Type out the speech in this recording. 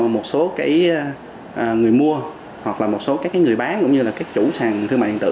một số người mua hoặc là một số các người bán cũng như là các chủ sàn thương mại điện tử